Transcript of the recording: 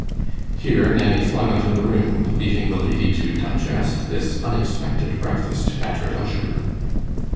Here Nanny flung out of the room, leaving the lady to digest this unexpected breakfast at her leisure.